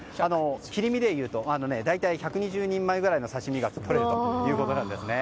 切り身でいうと大体１２０人前くらいの刺し身がとれるということです。